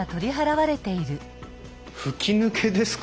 吹き抜けですか！？